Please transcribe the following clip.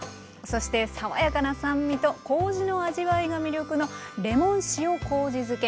そして爽やかな酸味とこうじの味わいが魅力のレモン塩こうじ漬け。